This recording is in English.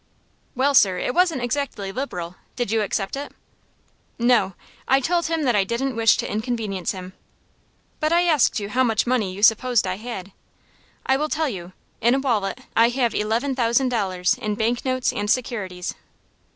"Well, sir, it wasn't exactly liberal. Did you accept it?" "No. I told him that I didn't wish to inconvenience him. But I asked you how much money you supposed I had. I will tell you. In a wallet I have eleven thousand dollars in bank notes and securities."